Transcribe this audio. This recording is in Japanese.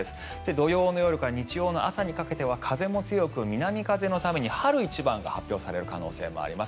土曜の夜から日曜の朝にかけては風も強く南風のために春一番が発表される可能性もあります。